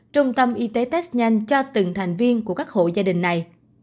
trung tâm y tế test nhanh cho từng thành viên của các hộ gia đình này